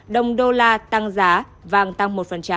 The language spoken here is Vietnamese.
đồng đô la tăng giá vàng tăng một